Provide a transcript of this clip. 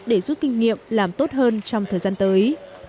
để giúp kinh nghiệm làm tốt hơn trong thời gian tới